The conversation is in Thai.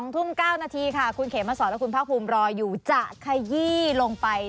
๒ทุ่ม๙นาทีค่ะคุณเขมสอนและคุณภาคภูมิรออยู่จะขยี้ลงไป